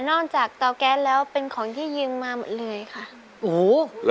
จากเตาแก๊สแล้วเป็นของที่ยืมมาหมดเลยค่ะโอ้โห